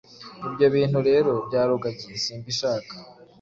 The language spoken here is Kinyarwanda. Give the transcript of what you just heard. ibyo bintu rero bya rugagi simbishaka